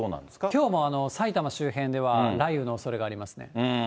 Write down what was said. きょうも埼玉周辺では雷雨のおそれがありますね。